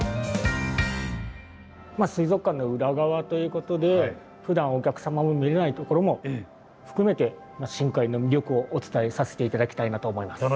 まっ水族館の裏側ということでふだんお客様も見れないところも含めて深海の魅力をお伝えさせて頂きたいなと思います。